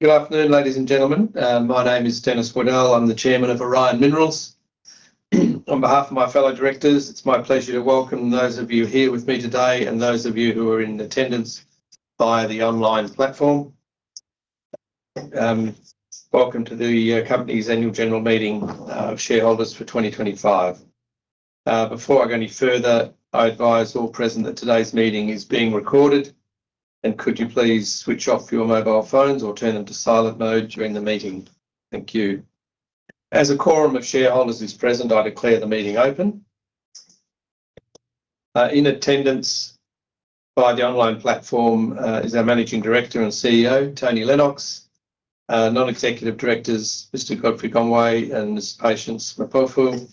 Good afternoon, ladies and gentlemen. My name is Denis Waddell. I'm the Chairman of Orion Minerals. On behalf of my fellow directors, it's my pleasure to welcome those of you here with me today and those of you who are in attendance via the online platform. Welcome to the company's annual general meeting of shareholders for 2025. Before I go any further, I advise all present that today's meeting is being recorded, and could you please switch off your mobile phones or turn them to silent mode during the meeting? Thank you. As a quorum of shareholders is present, I declare the meeting open. In attendance via the online platform is our Managing Director and CEO, Tony Lennox, non-executive directors, Mr. Godfrey Gomwe and Ms. Patience Mpofu,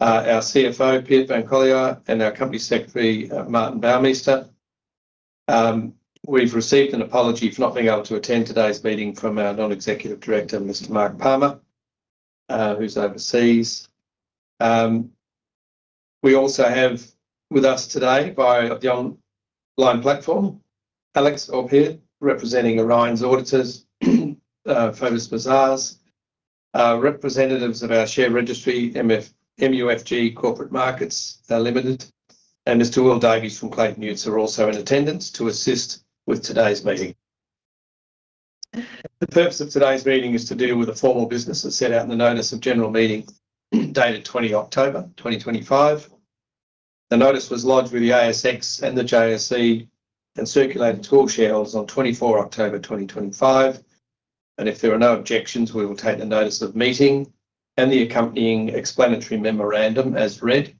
our CFO, Peet van Coller, and our Company Secretary, Martin Bouwmeester. We've received an apology for not being able to attend today's meeting from our Non-Executive Director, Mr. Mark Palmer, who's overseas. We also have with us today via the online platform, Alex [Orphea], representing Orion's auditors, Forvis Mazars, representatives of our share registry, MUFG Corporate Markets Limited, and Mr. Will Davies from Clayton Utz are also in attendance to assist with today's meeting. The purpose of today's meeting is to deal with the formal businesses set out in the notice of general meeting dated 20 October 2025. The notice was lodged with the ASX and the JSE and circulated to all shareholders on 24 October 2025, and if there are no objections, we will take the notice of meeting and the accompanying explanatory memorandum as read.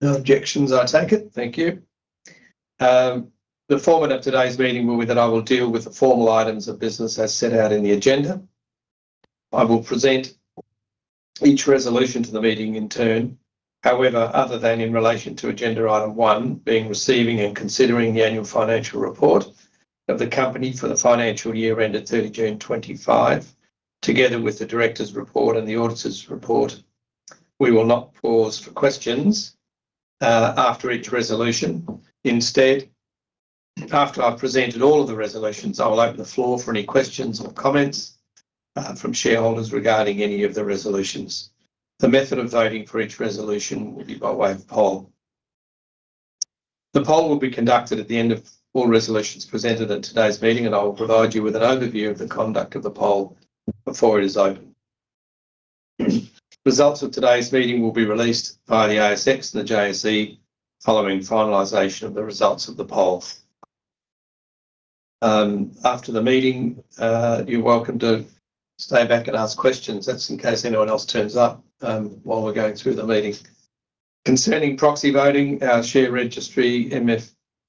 No objections, I take it. Thank you. The format of today's meeting will be that I will deal with the formal items of business as set out in the agenda. I will present each resolution to the meeting in turn. However, other than in relation to agenda item one, being receiving and considering the annual financial report of the company for the financial year ended 30 June 2025, together with the director's report and the auditor's report, we will not pause for questions after each resolution. Instead, after I've presented all of the resolutions, I will open the floor for any questions or comments from shareholders regarding any of the resolutions. The method of voting for each resolution will be by way of poll. The poll will be conducted at the end of all resolutions presented at today's meeting, and I will provide you with an overview of the conduct of the poll before it is open. Results of today's meeting will be released via the ASX and the JSE following finalization of the results of the poll. After the meeting, you're welcome to stay back and ask questions. That's in case anyone else turns up while we're going through the meeting. Concerning proxy voting, our share registry,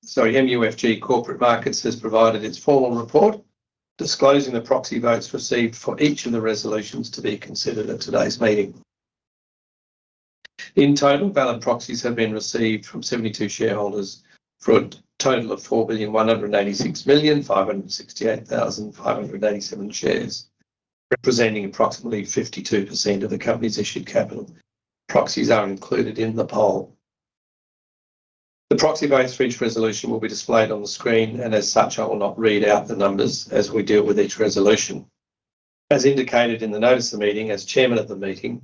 sorry, MUFG Corporate Markets has provided its formal report disclosing the proxy votes received for each of the resolutions to be considered at today's meeting. In total, valid proxies have been received from 72 shareholders for a total of 4,186,568,587 shares, representing approximately 52% of the company's issued capital. Proxies are included in the poll. The proxy votes for each resolution will be displayed on the screen, and as such, I will not read out the numbers as we deal with each resolution. As indicated in the notice of meeting, as Chairman of the meeting,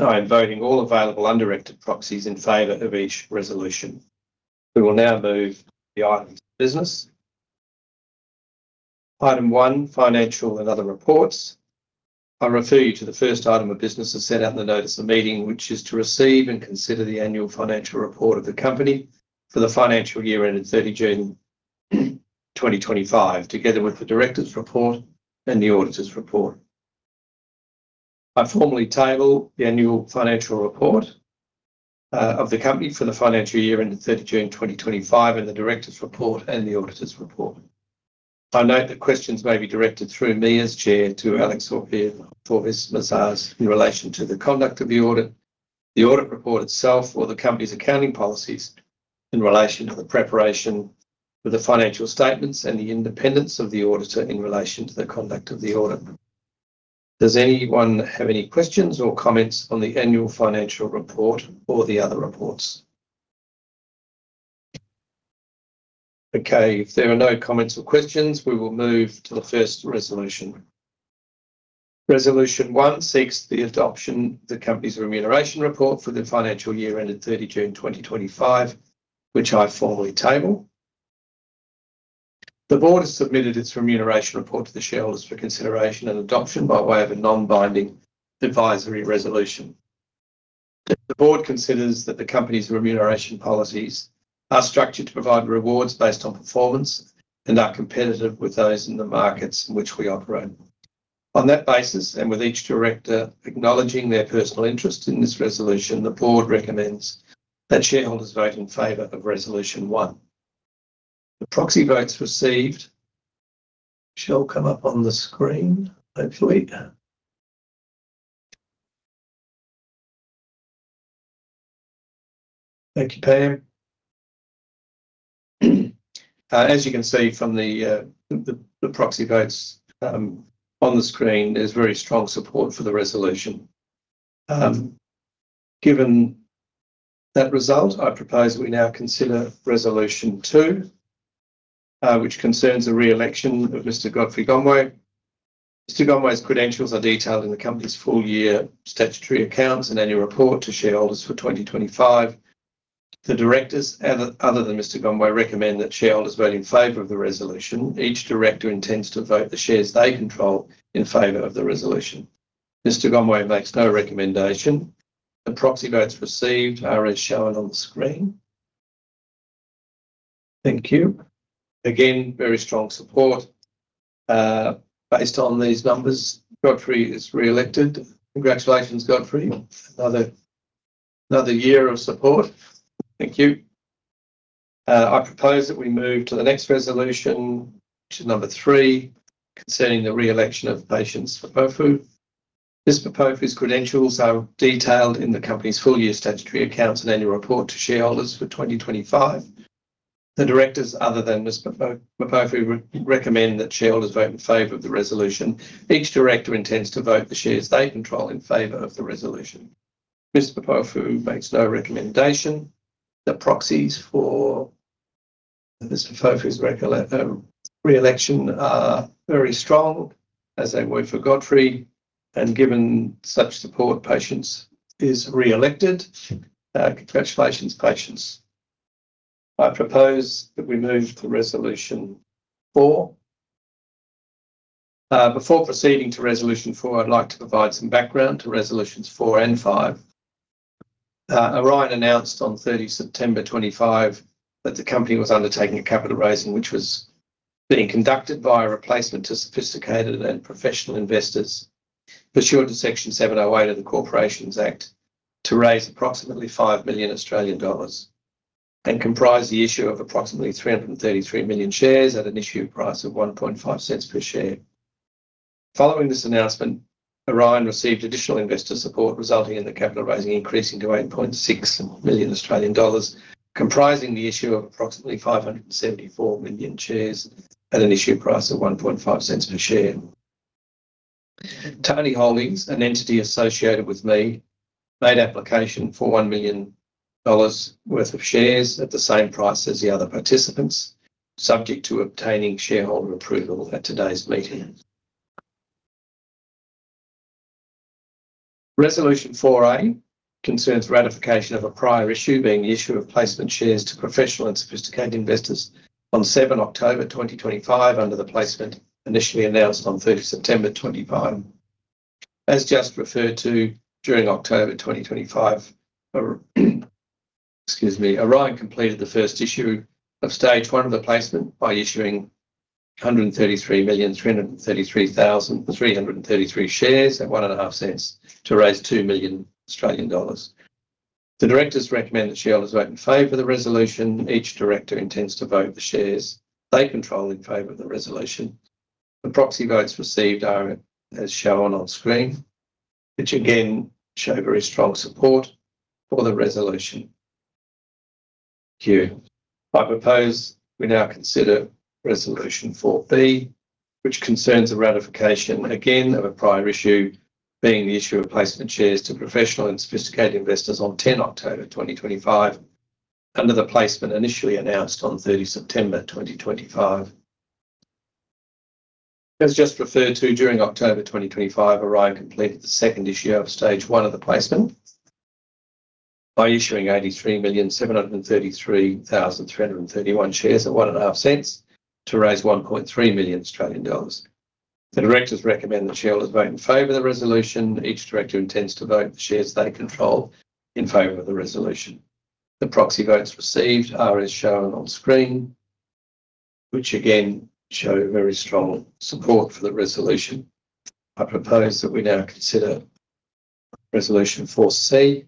I am voting all available undirected proxies in favor of each resolution. We will now move to the items of business. Item one, financial and other reports. I refer you to the first item of business as set out in the notice of meeting, which is to receive and consider the annual financial report of the company for the financial year ended 30 June 2025, together with the director's report and the auditor's report. I formally table the annual financial report of the company for the financial year ended 30 June 2025 and the director's report and the auditor's report. I note that questions may be directed through me as Chair to Alex [Orphea], Forvis Mazars in relation to the conduct of the audit, the audit report itself, or the company's accounting policies in relation to the preparation of the financial statements and the independence of the auditor in relation to the conduct of the audit. Does anyone have any questions or comments on the annual financial report or the other reports? Okay. If there are no comments or questions, we will move to the first resolution. Resolution one seeks the adoption of the company's remuneration report for the financial year ended 30 June 2025, which I formally table. The board has submitted its remuneration report to the shareholders for consideration and adoption by way of a non-binding advisory resolution. The board considers that the company's remuneration policies are structured to provide rewards based on performance and are competitive with those in the markets in which we operate. On that basis, and with each director acknowledging their personal interest in this resolution, the board recommends that shareholders vote in favor of resolution one. The proxy votes received shall come up on the screen, hopefully. Thank you, Pam. As you can see from the proxy votes on the screen, there's very strong support for the resolution. Given that result, I propose we now consider resolution two, which concerns the re-election of Mr. Godfrey Gomwe. Mr. Gomwe's credentials are detailed in the company's full year statutory accounts and annual report to shareholders for 2025. The directors, other than Mr. Gomwe, recommend that shareholders vote in favor of the resolution. Each director intends to vote the shares they control in favor of the resolution. Mr. Gomwe makes no recommendation. The proxy votes received are as shown on the screen. Thank you. Again, very strong support. Based on these numbers, Godfrey is re-elected. Congratulations, Godfrey. Another year of support. Thank you. I propose that we move to the next resolution, which is number three, concerning the re-election of Patience Mpofu. Ms. Mpofu's credentials are detailed in the company's full year statutory accounts and annual report to shareholders for 2025. The directors, other than Ms. Mpofu, recommend that shareholders vote in favor of the resolution. Each director intends to vote the shares they control in favor of the resolution. Ms. Mpofu makes no recommendation. The proxies for Ms. Mpofu's re-election are very strong, as they were for Godfrey. Given such support, Patience is re-elected. Congratulations, Patience. I propose that we move to resolution four. Before proceeding to resolution four, I'd like to provide some background to resolutions four and five. Orion announced on 30 September 2025 that the company was undertaking a capital raising, which was being conducted by a placement to sophisticated and professional investors pursuant to Section 708 of the Corporations Act to raise approximately 5 million Australian dollars and comprised the issue of approximately 333 million shares at an issue price of 0.015 per share. Following this announcement, Orion received additional investor support, resulting in the capital raising increasing to 8.6 million Australian dollars, comprising the issue of approximately 574 million shares at an issue price of 0.015 per share. Tani Holdings, an entity associated with me, made application for 1 million dollars worth of shares at the same price as the other participants, subject to obtaining shareholder approval at today's meeting. Resolution 4A concerns ratification of a prior issue being the issue of placement shares to professional and sophisticated investors on 7 October 2025 under the placement initially announced on 30 September 2025. As just referred to, during October 2025, Orion completed the first issue of stage one of the placement by issuing 133,333,333 shares at 0.015 to raise 2 million Australian dollars. The directors recommend that shareholders vote in favor of the resolution. Each director intends to vote the shares they control in favor of the resolution. The proxy votes received are as shown on screen, which again show very strong support for the resolution. Thank you. I propose we now consider resolution 4B, which concerns the ratification again of a prior issue being the issue of placement shares to professional and sophisticated investors on 10 October 2025 under the placement initially announced on 30 September 2025. As just referred to, during October 2025, Orion completed the second issue of stage one of the placement by issuing 83,733,331 shares at 0.015 to raise 1.3 million Australian dollars. The directors recommend that shareholders vote in favor of the resolution. Each director intends to vote the shares they control in favor of the resolution. The proxy votes received are as shown on screen, which again show very strong support for the resolution. I propose that we now consider resolution 4C.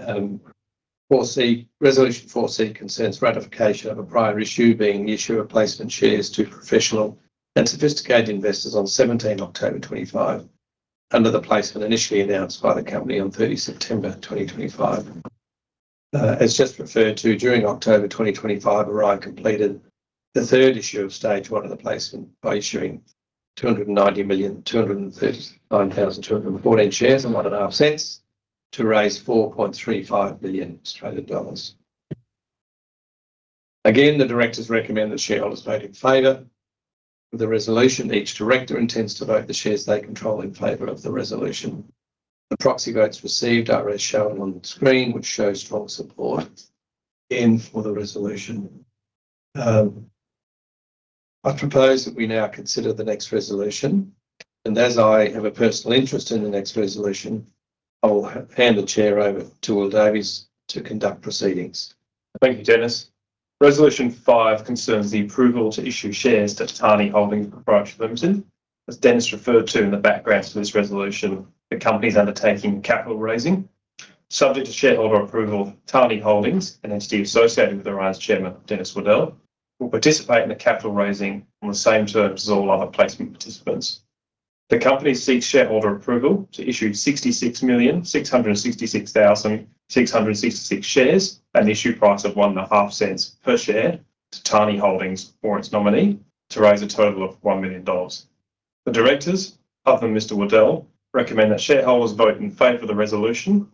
Resolution 4C concerns ratification of a prior issue being the issue of placement shares to professional and sophisticated investors on 17 October 2025 under the placement initially announced by the company on 30 September 2025. As just referred to, during October 2025, Orion completed the third issue of stage one of the placement by issuing 290,239,214 shares at AUD 0.015 to raise 4.35 million Australian dollars. Again, the directors recommend that shareholders vote in favor of the resolution. Each director intends to vote the shares they control in favor of the resolution. The proxy votes received are as shown on the screen, which shows strong support again for the resolution. I propose that we now consider the next resolution. As I have a personal interest in the next resolution, I will hand the chair over to Will Davies to conduct proceedings. Thank you, Denis. Resolution five concerns the approval to issue shares to Tani Holdings Corporation Limited. As Denis referred to in the background to this resolution, the company is undertaking capital raising. Subject to shareholder approval, Tani Holdings, an entity associated with Orion's chairman, Denis Waddell, will participate in the capital raising on the same terms as all other placement participants. The company seeks shareholder approval to issue 66,666,666 shares at an issue price of 0.015 per share to Tani Holdings or its nominee to raise a total of 1 million dollars. The directors, other than Mr. Waddell, recommend that shareholders vote in favor of the resolution.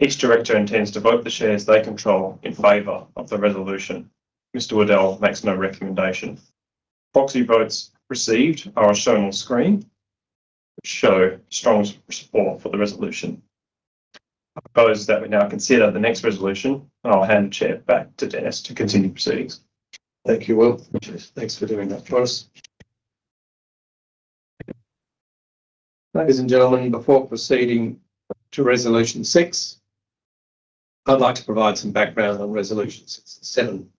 Each director intends to vote the shares they control in favor of the resolution. Mr. Waddell makes no recommendation. Proxy votes received are as shown on screen, which show strong support for the resolution. I propose that we now consider the next resolution, and I'll hand the chair back to Denis to continue proceedings. Thank you, Will. Thanks for doing that for us. Ladies and gentlemen, before proceeding to resolution six, I'd like to provide some background on resolution seven.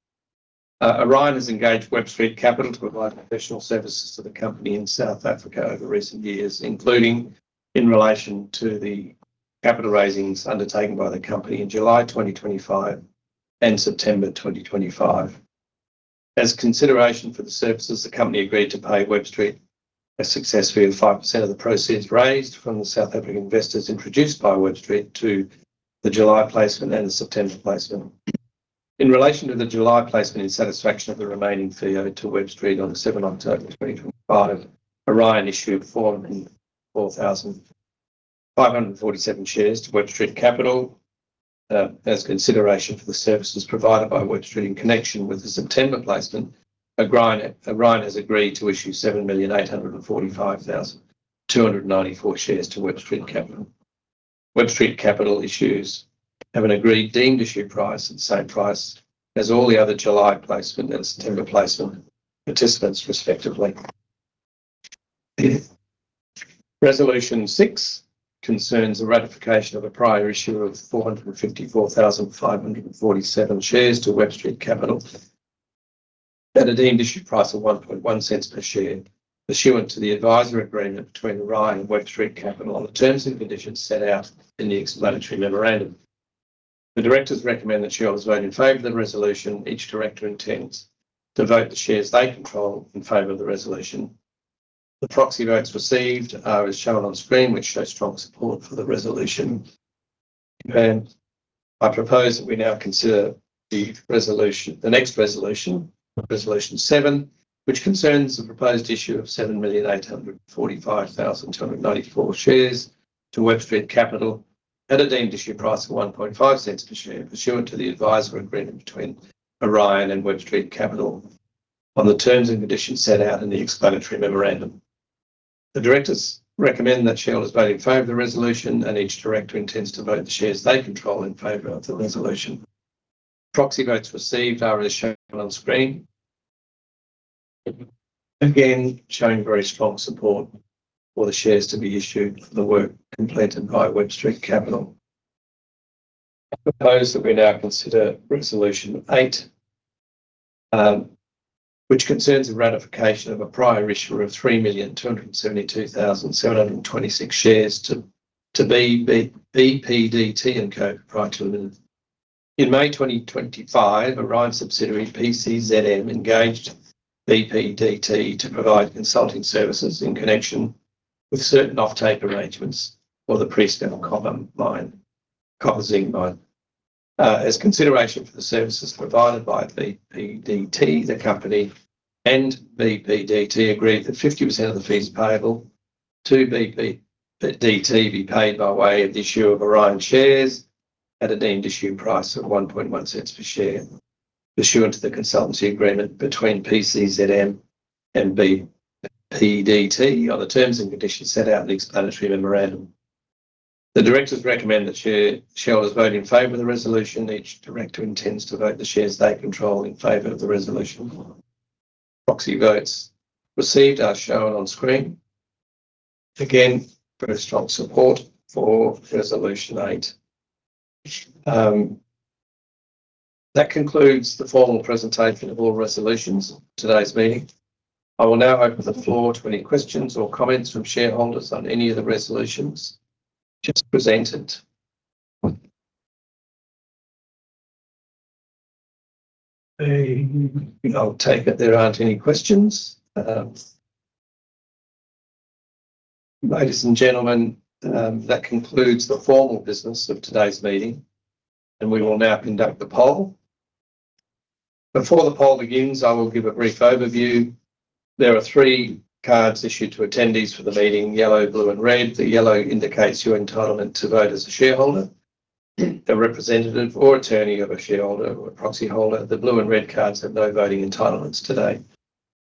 Orion has engaged Webb Street Capital to provide professional services to the company in South Africa over recent years, including in relation to the capital raisings undertaken by the company in July 2025 and September 2025. As consideration for the services, the company agreed to pay Webb Street a success fee of 5% of the proceeds raised from the South African investors introduced by Webb Street to the July placement and the September placement. In relation to the July placement, in satisfaction of the remaining fee owed to Webb Street on 7 October 2025, Orion issued 4,547 shares to Webb Street Capital. As consideration for the services provided by Webb Street in connection with the September placement, Orion has agreed to issue 7,845,294 shares to Webb Street Capital. Webb Street Capital issues have an agreed deemed issue price at the same price as all the other July placement and September placement participants, respectively. Resolution six concerns the ratification of a prior issue of 454,547 shares to Webb Street Capital at a deemed issue price of AUD for the shares to be issued for the work completed by Webb Street Capital. I propose that we now consider resolution eight, which concerns the ratification of a prior issue of 3,272,726 shares to BPDT & Co. In May 2025, Orion subsidiary PCZM engaged BPDT to provide consulting services in connection with certain off-take arrangements for the Prieska Copper Zinc Mine. As consideration for the services provided by BPDT, the company and BPDT agreed that 50% of the fees payable to BPDT be paid by way of the issue of Orion shares at a deemed issue price of 0.011 per share, pursuant to the consultancy agreement between PCZM and BPDT on the terms and conditions set out in the explanatory memorandum. The directors recommend that shareholders vote in favor of the resolution. Each director intends to vote the shares they control in favor of the resolution. Proxy votes received are shown on screen, again very strong support for resolution eight. That concludes the formal presentation of all resolutions for today's meeting. I will now open the floor to any questions or comments from shareholders on any of the resolutions just presented. I'll take it there aren't any questions. Ladies and gentlemen, that concludes the formal business of today's meeting, and we will now conduct the poll. Before the poll begins, I will give a brief overview. There are three cards issued to attendees for the meeting: yellow, blue, and red. The yellow indicates your entitlement to vote as a shareholder, a representative or attorney of a shareholder, or a proxy holder. The blue and red cards have no voting entitlements today.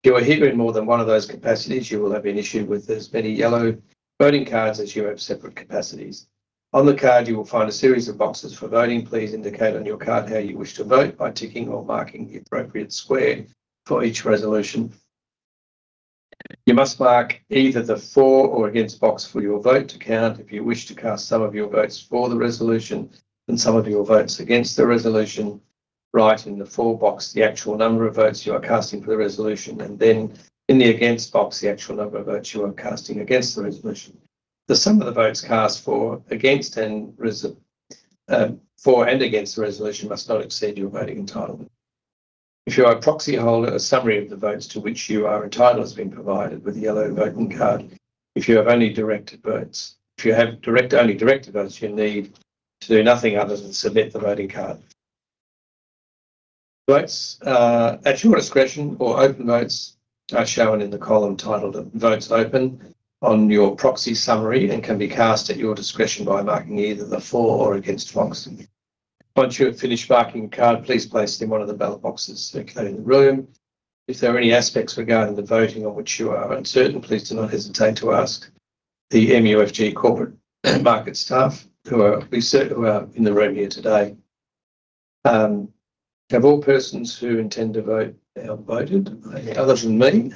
If you are here in more than one of those capacities, you will have an issue with as many yellow voting cards as you have separate capacities. On the card, you will find a series of boxes for voting. Please indicate on your card how you wish to vote by ticking or marking the appropriate square for each resolution. You must mark either the for or against box for your vote to count. If you wish to cast some of your votes for the resolution and some of your votes against the resolution, write in the for box the actual number of votes you are casting for the resolution, and then in the against box, the actual number of votes you are casting against the resolution. The sum of the votes cast for, against, and for and against the resolution must not exceed your voting entitlement. If you are a proxy holder, a summary of the votes to which you are entitled has been provided with a yellow voting card. If you have only directed votes, you need to do nothing other than submit the voting card. Votes at your discretion or open votes are shown in the column titled "Votes Open" on your proxy summary and can be cast at your discretion by marking either the for or against box. Once you have finished marking a card, please place them in one of the ballot boxes located in the room. If there are any aspects regarding the voting on which you are uncertain, please do not hesitate to ask the MUFG Corporate Markets staff who are in the room here today. Have all persons who intend to vote voted other than me?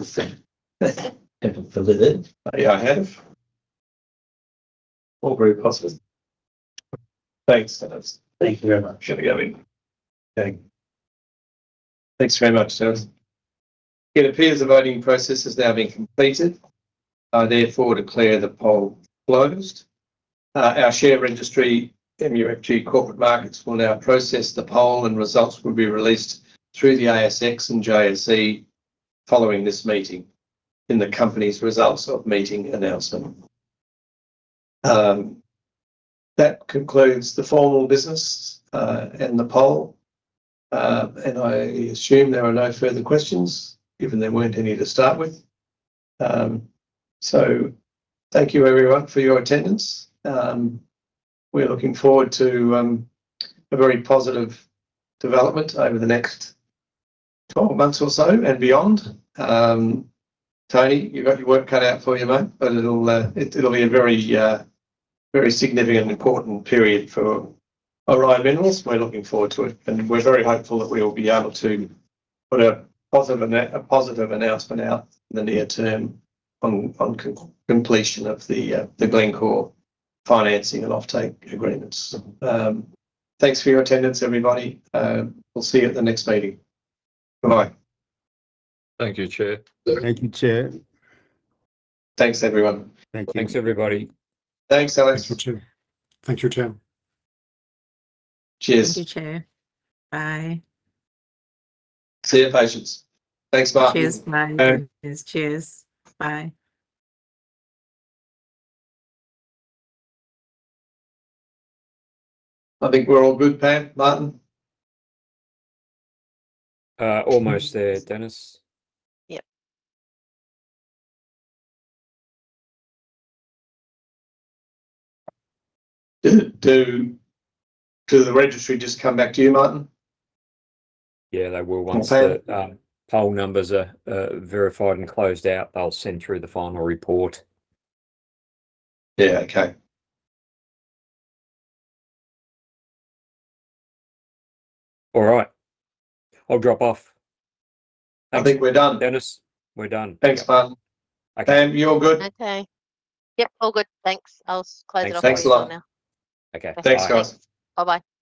I have. All very positive. Thanks, Denis. Thank you very much. Thanks very much, shares. It appears the voting process has now been completed. I therefore declare the poll closed. Our share registry, MUFG Corporate Markets, will now process the poll, and results will be released through the ASX and JSE following this meeting in the company's results of meeting announcement. That concludes the formal business and the poll. I assume there are no further questions, given there were not any to start with. Thank you, everyone, for your attendance. We are looking forward to a very positive development over the next 12 months or so and beyond. Tony, you have got your work cut out for you, mate, but it will be a very significant and important period for Orion Minerals. We are looking forward to it, and we are very hopeful that we will be able to put a positive announcement out in the near term on completion of the Glencore financing and off-take agreements. Thanks for your attendance, everybody. We will see you at the next meeting. Bye-bye. Thank you, Chair. Thank you, Chair. Thanks, everyone. Thanks, everybody. Thanks, Alex. Thank you, Chair. Cheers. Thank you, Chair. Bye. See you, Patience. Thanks, Martin. Cheers. Bye. Cheers. Bye. I think we're all good, Pam, Martin. Almost there, Denis. Yep. Did the registry just come back to you, Martin? Yeah, they will once the poll numbers are verified and closed out, they'll send through the final report. Yeah, okay. All right. I'll drop off. I think we're done. Denis, we're done. Thanks, Martin. Pam, you're good. Okay. Yep, all good. Thanks. I'll close it off now. Thanks a lot. Okay. Thanks, guys. Bye-bye. Thank you.